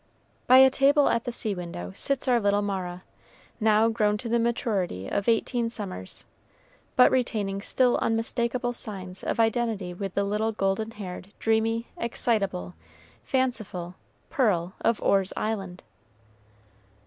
By a table at the sea looking window sits our little Mara, now grown to the maturity of eighteen summers, but retaining still unmistakable signs of identity with the little golden haired, dreamy, excitable, fanciful "Pearl" of Orr's Island.